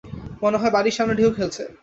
মনে হয়, বাড়ির সামনে ঢেউ খেলছে।